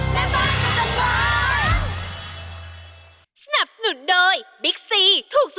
อ๋อมพิษกาวใจพืชวัดค่ะ